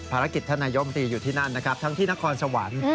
ภารกิจท่านนายมตรีอยู่ที่นั่นนะครับทั้งที่นครสวรรค์